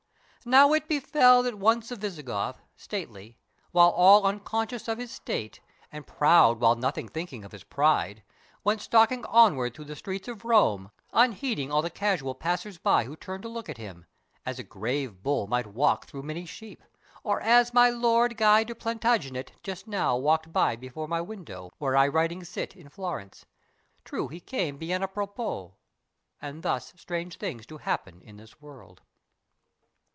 Now it befell that once a Visigoth Stately, while all unconscious of his state, And proud while nothing thinking of his pride, Went stalking onwards through the streets of Rome, Unheeding all the casual passers by Who turned to look at him—as a grave bull Might walk through many sheep—or as my lord Guy de Plantagenet just now walked by Before my window, where I writing sit, In Florence—true he came bien à propos. And thus strange things do happen in this world.